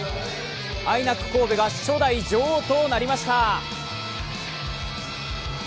神戸が初代女王となりました。